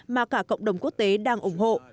mà cả cộng đồng quốc tế đang ủng hộ